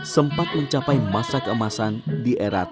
sempat mencapai masa keemasan di era tujuh puluh an